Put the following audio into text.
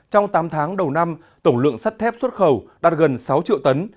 trong tám tháng đầu năm tổng lượng sắt thép xuất khẩu đạt gần sáu triệu tấn